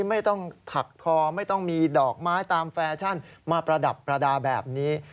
ไม่ต้องถักทอไม่ต้องมีดอกไม้ตามแฟชั่นมาประดับประดาษแบบนี้